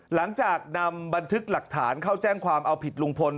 หลังจากนำบันทึกหลักฐานเข้าแจ้งความเอาผิดลุงพล